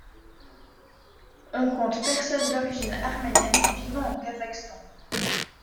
On compte personnes d'origine arménienne vivant au Kazakhstan.